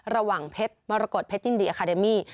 ระหว่างเพชรมรกฏเพชรยินดีอาคาเดมี่